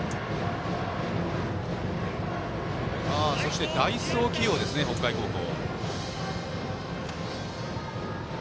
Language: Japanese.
そして代走起用ですね、北海高校。